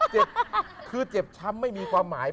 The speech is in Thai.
เจ็บคือเจ็บช้ำไม่มีความหมาย